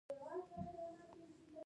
تعلیم نجونو ته د خوښۍ احساس ورکوي.